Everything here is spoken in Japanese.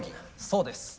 そうです。